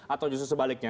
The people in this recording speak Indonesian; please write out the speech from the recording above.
atau justru sebaliknya